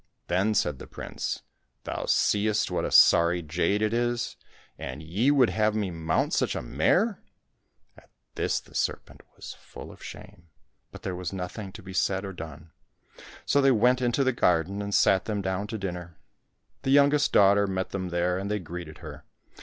Then said the prince, " Thou seest what a sorry jade it is ! And ye would have had me mount such a mare !" At this the serpent was full of shame, but there was nothing to be said or done. So they went into the garden and sat them down to dinner. The youngest daughter met them there, and they greeted her.